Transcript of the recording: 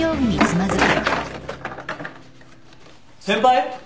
先輩？